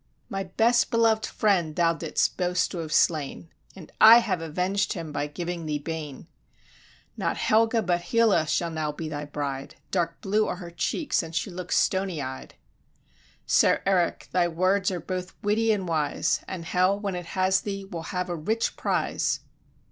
"My best belov'd friend thou didst boast to have slain, And I have aveng'd him by giving thee bane: "Not Helga, but Hela, {f:1} shall now be thy bride; Dark blue are her cheeks, and she looks stony eyed." "Sir Erik, thy words are both witty and wise, And hell, when it has thee, will have a rich prize!